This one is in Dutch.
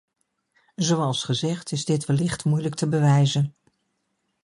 Zoals gezegd is dit wellicht moeilijk te bewijzen.